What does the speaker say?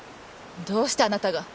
どうしてあなたが。